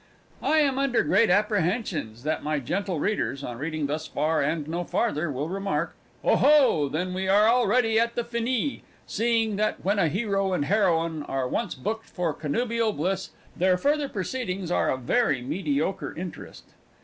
I am under great apprehensions that my gentle readers, on reading thus far and no further, will remark: "Oho! then we are already at the finis, seeing that when a hero and heroine are once booked for connubial bliss, their further proceedings are of very mediocre interest!"